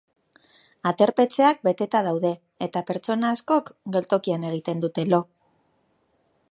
Aterpetxeak beteta daude eta pertsona askok geltokian egiten dute lo.